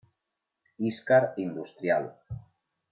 Íscar Industrial.